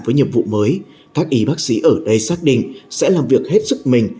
với nhiệm vụ mới các y bác sĩ ở đây xác định sẽ làm việc hết sức mình